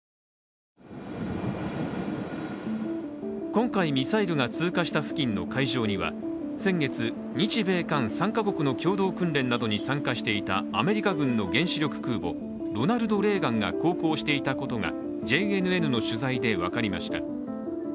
今回、ミサイルが通過した付近の海上には先月、日米韓３か国の共同訓練などに参加していたアメリカ軍の原子力空母「ロナルド・レーガン」が航行していたことがＪＮＮの取材で分かりました。